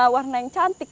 warna yang cantik